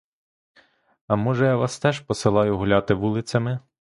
А може, я вас теж посилаю гуляти вулицями?